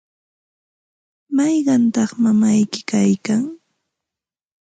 ¿mayqantaq mamayki kaykan?